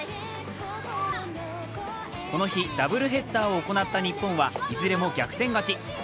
この日ダブルヘッダーを行った日本はいずれも逆転勝ち。